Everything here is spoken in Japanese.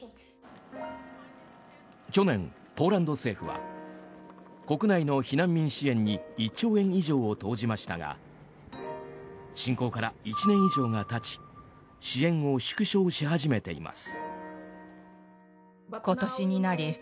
去年、ポーランド政府は国内の避難民支援に１兆円以上を投じましたが侵攻から１年以上が経ち支援を縮小し始めています。